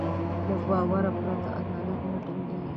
له باور پرته عدالت نه ټينګېږي.